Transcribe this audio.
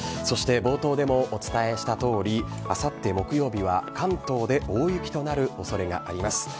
そして冒頭でもお伝えしたとおり、あさって木曜日は関東で大雪となるおそれがあります。